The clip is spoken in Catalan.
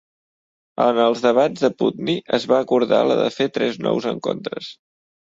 En els debats de Putney, es va acordar la de fer tres nous encontres.